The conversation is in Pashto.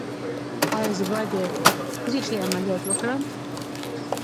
ایا زه باید د تریخي عملیات وکړم؟